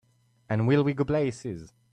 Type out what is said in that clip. And will we go places!